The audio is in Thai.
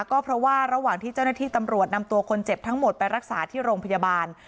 ก็เพราะว่าระหว่างที่เจ้าหน้าที่ตำรวจนำตัวคนเจ็บทั้งหมดไปรักษาที่โรงพยาบาล